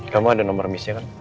kamu ada nomor missnya kan